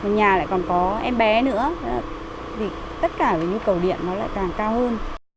nhà lại còn có em bé nữa tất cả những cầu điện nó lại càng cao hơn